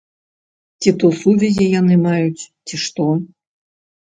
Ці то сувязі яны маюць, ці што.